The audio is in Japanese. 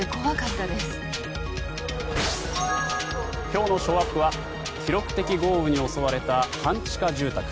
今日のショーアップは記録的豪雨に襲われた半地下住宅。